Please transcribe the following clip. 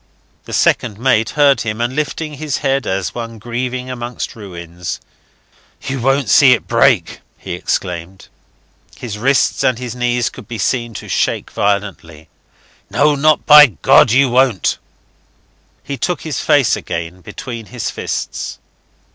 The second mate heard him, and lifting his head as one grieving amongst ruins, "You won't see it break," he exclaimed. His wrists and his knees could be seen to shake violently. "No, by God! You won't. ..." He took his face again between his fists.